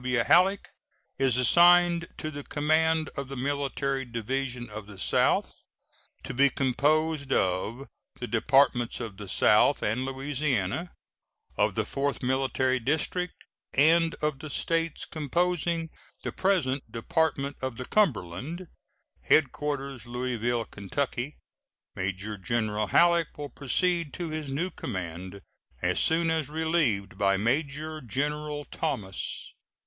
W. Halleck is assigned to the command of the Military Division of the South, to be composed of the Departments of the South and Louisiana, of the Fourth Military District, and of the States composing the present Department of the Cumberland; headquarters, Louisville, Ky. Major General Halleck will proceed to his new command as soon as relieved by Major General Thomas.